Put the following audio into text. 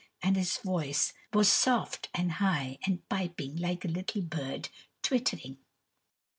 and his voice was soft and high and piping like a little bird twittering.